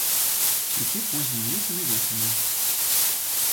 Цвіце познім летам і восенню.